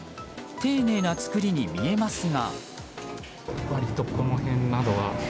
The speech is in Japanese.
丁寧な作りに見えますが。